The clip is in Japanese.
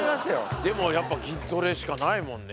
でもやっぱ筋トレしかないもんね。